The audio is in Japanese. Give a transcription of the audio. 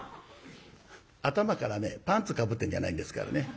頭からねパンツかぶってんじゃないんですからね。